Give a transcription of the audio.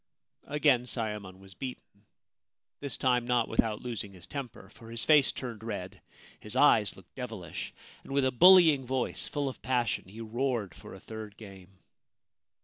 Again Sayemon was beaten — this time not without losing his temper, for his face turned red, his eyes looked devilish, and with a bullying voice full of passion he roared for a third game.